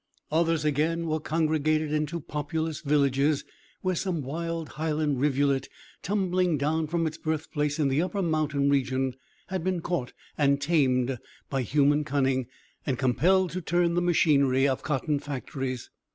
Others, again, were congregated into populous villages, where some wild, highland rivulet, tumbling down from its birthplace in the upper mountain region, had been caught and tamed by human cunning, and compelled to turn the machinery of cotton factories.